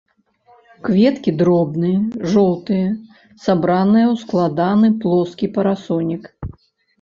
Кветкі дробныя, жоўтыя, сабраныя ў складаны плоскі парасонік.